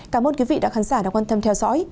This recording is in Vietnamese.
cảm ơn quý vị đã quan tâm theo dõi